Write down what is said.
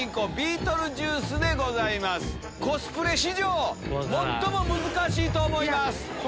コスプレ史上最も難しいと思います。